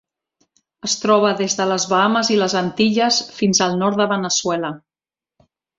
Es troba des de les Bahames i les Antilles fins al nord de Veneçuela.